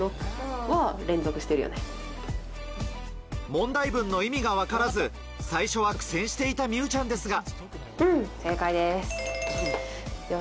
問題文の意味が分からず最初は苦戦していた美羽ちゃんですが。